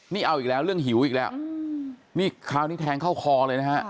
นี่เอาอีกแล้วเรื่องหิวอีกแล้วนี่คราวนี้แทงเข้าคอเลยนะฮะ